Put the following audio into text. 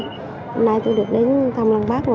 hôm nay tôi được đến thăm lăng bác